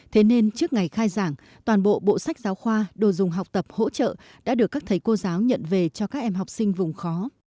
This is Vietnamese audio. thế nên trước ngày khai giảng toàn bộ bộ sách giáo khoa đồ dùng học tập hỗ trợ đã được các thầy cô giáo nhận về cho các em học sinh vùng khó